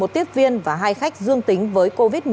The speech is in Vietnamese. một tiếp viên và hai khách dương tính với covid một mươi chín